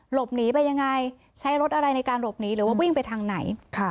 หลบหนีไปยังไงใช้รถอะไรในการหลบหนีหรือว่าวิ่งไปทางไหน